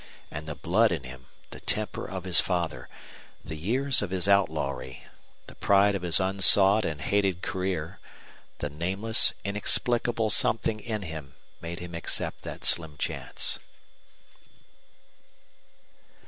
And the blood in him, the temper of his father, the years of his outlawry, the pride of his unsought and hated career, the nameless, inexplicable something in him made him accept that slim chance.